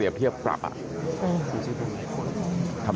ลูกสาวหลายครั้งแล้วว่าไม่ได้คุยกับแจ๊บเลยลองฟังนะคะ